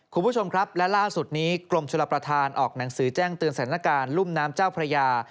คุณผู้ชมครับและล่าสุดนี้กรมชลประธานออกหนังสือแจ้งเตือนสถานการณ์รุ่มน้ำเจ้าพระยา